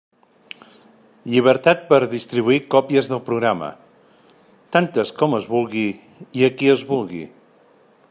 Llibertat per a distribuir còpies del programa; tantes com es vulgui i a qui es vulgui.